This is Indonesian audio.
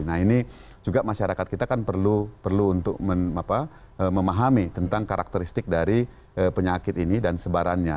nah ini juga masyarakat kita kan perlu untuk memahami tentang karakteristik dari penyakit ini dan sebarannya